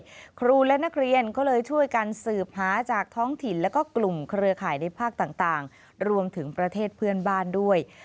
ครูและนักเรียนก็เลยช่วยกันสืบหาจากท้องถิ่นแล้วก็กลุ่มเครือข่ายในภาคต่างรวมถึงประเทศเพื่อนบ้านด้วย